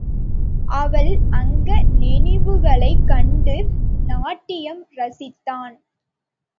அவள் அங்க நெனிவுகளைக் கண்டு நாட்டியம் ரசித்தான்.